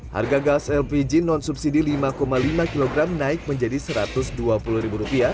harga gas lpg non subsidi rp lima lima kg naik menjadi rp satu ratus dua puluh